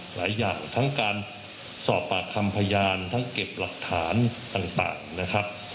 หลายอย่างทั้งการสอบปากคำพยานทั้งเก็บหลักฐานต่างนะครับ